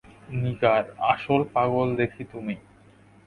নিগার, আসল পাগল দেখি তুমি।